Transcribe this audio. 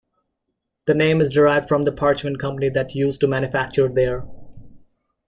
The name is derived from the parchment company that used to manufacture there.